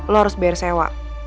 lo harus bayar sewa